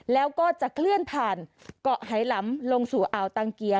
แล้วก็จะเคลื่อนผ่านเกาะไหลำลงสู่อ่าวตังเกียร์